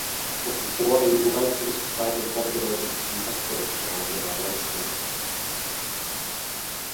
Ocupó al igual que su padre el cargo de Maestrante de Valencia.